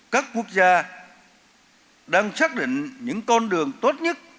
các quốc gia đang xác định những con đường tốt nhất